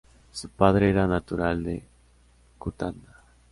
Su padre era natural de Cutanda.